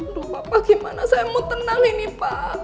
aduh bapak gimana saya mau tenang ini pak